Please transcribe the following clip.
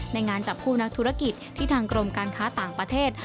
งานจับคู่นักธุรกิจที่ทางกรมการค้าต่างประเทศ